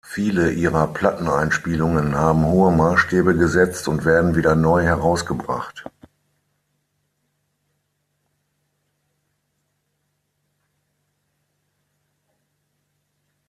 Viele ihrer Platteneinspielungen haben hohe Maßstäbe gesetzt und werden wieder neu herausgebracht.